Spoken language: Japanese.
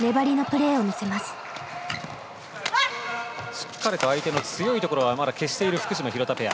しっかりと相手の強いところはまだ消している福島廣田ペア。